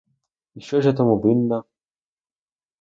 І що ж я тому винна?